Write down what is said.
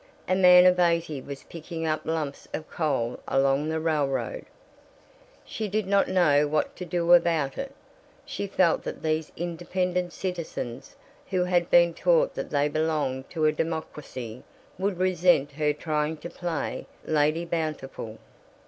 A man of eighty was picking up lumps of coal along the railroad. She did not know what to do about it. She felt that these independent citizens, who had been taught that they belonged to a democracy, would resent her trying to play Lady Bountiful.